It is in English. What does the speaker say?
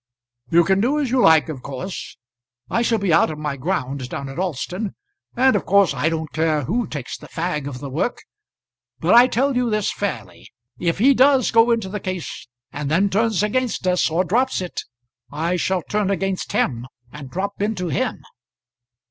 "You can do as you like, of course. I shall be out of my ground down at Alston, and of course I don't care who takes the fag of the work. But I tell you this fairly; if he does go into the case and then turns against us or drops it, I shall turn against him and drop into him."